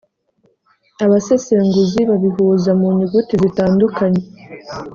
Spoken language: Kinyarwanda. abasesenguzi babihuza mu nyuguti zitandukanye